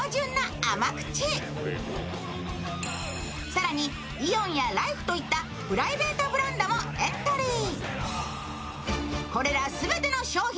更にイオンやライフといったプライベートブランドもエントリー。